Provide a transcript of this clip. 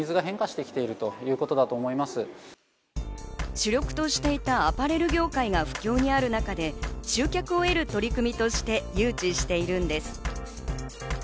主力としていたアパレル業界が不況にある中で、集客を得る取り組みとして誘致しているんです。